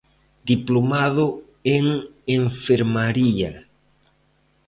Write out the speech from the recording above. Diplomado en Enfermaría.